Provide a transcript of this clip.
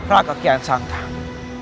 raka kian santang